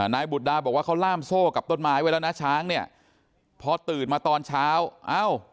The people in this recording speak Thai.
นายบุตรดาบอกว่าเขาล่ามโซ่กับต้นไม้ไว้แล้วนะช้างเนี่ยพอตื่นมาตอนเช้าเอ้า